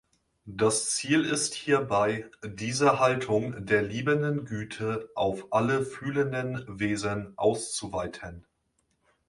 Das Ziel ist hierbei, diese Haltung der liebenden Güte auf alle fühlenden Wesen auszuweiten.